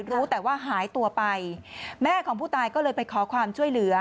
รู้แต่ว่าหายตัวไปแม่ของผู้ตายก็เลยไปขอความช่วยเหลือ